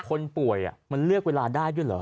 คนป่วยมันเลือกเวลาได้ด้วยเหรอ